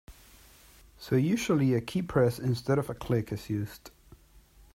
So usually a keypress instead of a click is used.